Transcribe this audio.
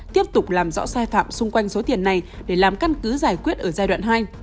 tiếp tục làm rõ sai phạm xung quanh số tiền này để làm căn cứ giải quyết ở giai đoạn hai